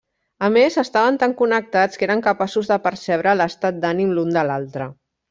A més, estaven tan connectats que eren capaços de percebre l'estat d'ànim l'un de l'altre.